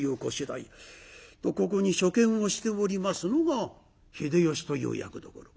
とここに書見をしておりますのが秀吉という役どころ。